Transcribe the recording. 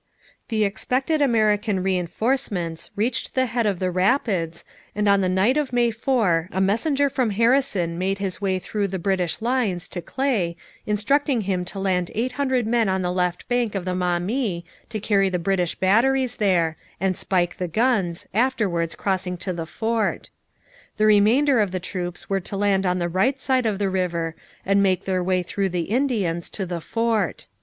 The expected American reinforcements reached the head of the rapids, and on the night of May 4 a messenger from Harrison made his way through the British lines to Clay, instructing him to land eight hundred men on the left bank of the Maumee to carry the British batteries there, and spike the guns, afterwards crossing to the fort. The remainder of the troops were to land on the right side of the river and make their way through the Indians to the fort.